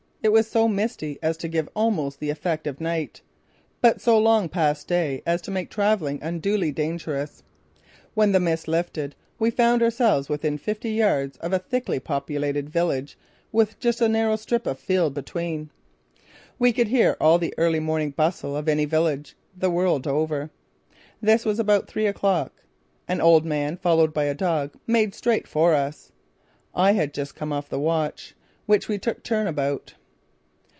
It was so misty as to give almost the effect of night, but so long past day as to make travelling unduly dangerous. When the mist lifted we found ourselves within fifty yards of a thickly populated village with just a narrow strip of field between. We could hear all the early morning bustle of any village, the world over. This was about three o'clock. An old man followed by a dog made straight for us. I had just come off the watch, which we took turn about.